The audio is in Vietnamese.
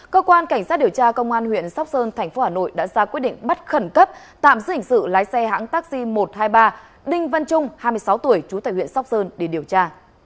cơ quan cảnh sát điều tra công an huyện sóc sơn thành phố hà nội đã ra quyết định bắt khẩn cấp tạm giữ hình sự lái xe hãng taxi một trăm hai mươi ba đinh văn trung hai mươi sáu tuổi trú tại huyện sóc sơn để điều tra